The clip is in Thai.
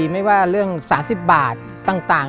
ไม่ว่าเรื่อง๓๐บาทต่าง